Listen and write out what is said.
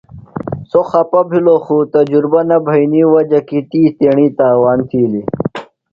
سوۡ خپہ بِھلوۡ خوۡ تجربہ نہ بھئینی وجہ کیۡ تی تیݨیۡ تاوان تِھیلیۡ۔